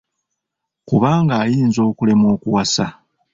Kubanga ayinza okulemwa okuwasa.